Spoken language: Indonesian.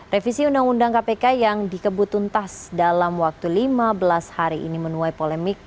revisi undang undang kpk yang dikebut tuntas dalam waktu lima belas hari ini menuai polemik